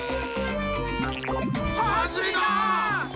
はずれだ！